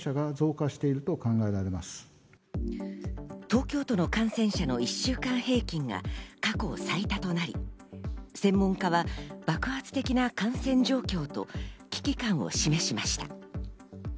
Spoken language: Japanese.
東京都の感染者の１週間平均が過去最多となり、専門家は爆発的な感染状況と危機感を示しました。